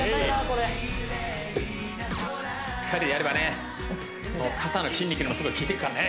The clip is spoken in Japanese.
これしっかりやればね肩の筋肉にもすごい効いてくからね